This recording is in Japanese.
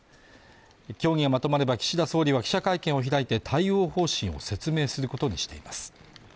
協議がまとまれば岸田総理は記者会見を開いて対応方針を説明することにしています